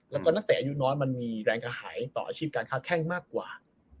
แล้วก็นักเตะอายุน้อยมันมีแรงกระหายต่ออาชีพการค้าแข้งมากกว่า